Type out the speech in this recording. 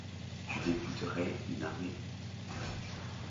Tu dégoûterais une armée.